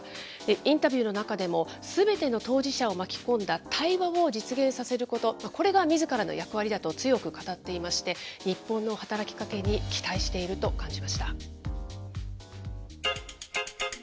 インタビューの中でも、すべての当事者を巻き込んだ対話を実現させること、これがみずからの役割だと、強く語っていまして、日本の働きかけに期待していると感じました。